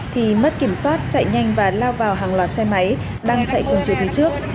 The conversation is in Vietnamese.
thì mất kiểm soát chạy nhanh và lao vào hàng loạt xe máy đang chạy cùng chiều phía trước